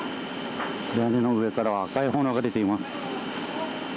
屋根の上から赤い炎が出ています。